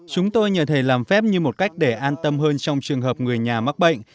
chúng tôi nhờ thầy làm phép như một cách để an tâm hơn trong trường hợp người nhà mắc bệnh